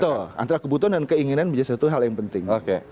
betul antara kebutuhan dan keinginan menjadi satu hal yang penting